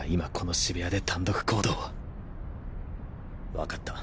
分かった。